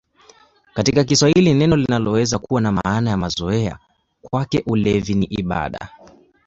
Katika Kiswahili neno linaweza kuwa na maana ya mazoea: "Kwake ulevi ni ibada".